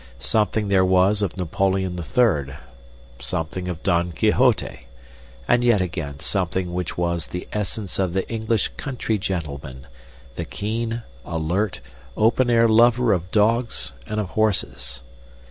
Something there was of Napoleon III., something of Don Quixote, and yet again something which was the essence of the English country gentleman, the keen, alert, open air lover of dogs and of horses.